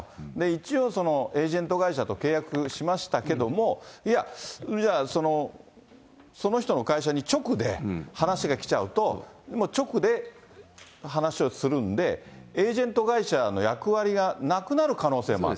一応エージェント会社と契約しましたけども、いや、それじゃあその人の会社に直で話が来ちゃうと、直で話をするんで、エージェント会社の役割がなくなる可能性もある。